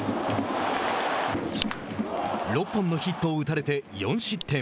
６本のヒットを打たれて４失点。